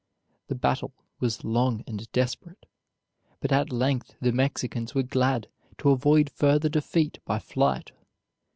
The battle was long and desperate, but at length the Mexicans were glad to avoid further defeat by flight.